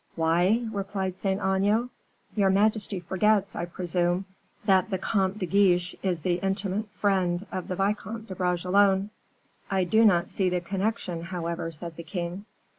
"Why?" replied Saint Aignan. "Your majesty forgets, I presume, that the Comte de Guiche is the intimate friend of the Vicomte de Bragelonne." "I do not see the connection, however," said the king.